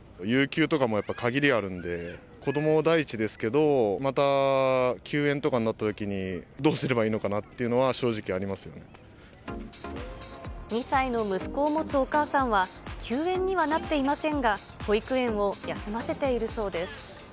有休とかもやっぱり限りがあるんで、子ども第一ですけど、また休園とかになったときに、どうすればいいのかなっていうのは正直あ２歳の息子を持つお母さんは、休園にはなっていませんが、保育園を休ませているそうです。